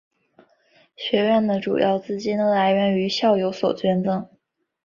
学院的主要资金来自于校友所捐赠。